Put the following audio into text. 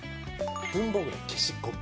文房具の消しゴム。